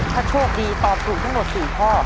ถ้าโชคดีตอบถูกทั้งหมด๔ข้อ